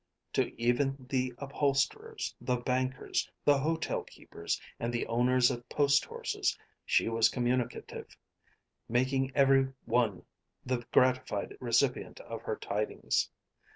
To even the upholsterers, the bankers, the hotel keepers and the owners of post horses she was communicative, making every one the gratified recipient of her tidings.